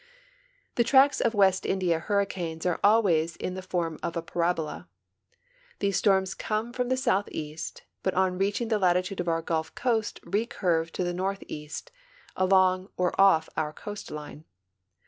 The tracks of West India hurricanes are alwa3's in the form of a parabola. These storms come from the southeast, but on reacliing the latitude of our Gulf coast recurve to the northeast along or off our coastline.